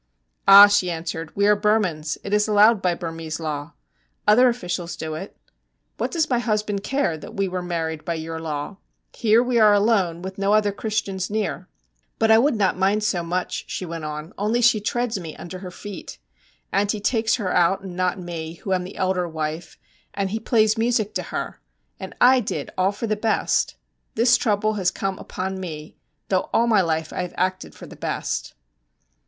'Ah,' she answered, 'we are Burmans; it is allowed by Burmese law. Other officials do it. What does my husband care that we were married by your law? Here we are alone with no other Christians near. But I would not mind so much,' she went on, 'only she treads me under her feet. And he takes her out and not me, who am the elder wife, and he plays music to her; and I did all for the best. This trouble has come upon me, though all my life I have acted for the best.'